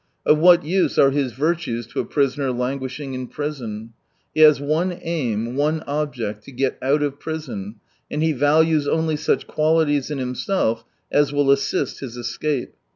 Of what use are his virtues to a prisoner languishing in prison ? He has one aim, one object ^to get out of prison, and he values only such qualities in himself as will assist his escape.